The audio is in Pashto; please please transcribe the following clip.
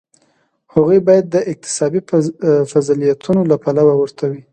هغوی باید د اکتسابي فضیلتونو له پلوه ورته وي.